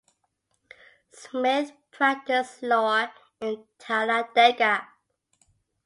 Smith practiced law in Talladega.